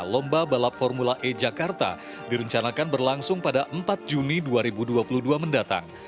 lomba balap formula e jakarta direncanakan berlangsung pada empat juni dua ribu dua puluh dua mendatang